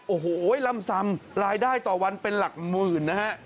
โอ้โหลำซำรายได้ต่อวันเป็นหลักหมื่นนะฮะ